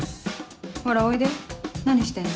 ほらおいで何してんの？